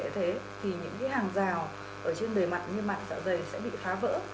thì những hàng rào ở trên đời mặt như mặt dạ dày sẽ bị phá vỡ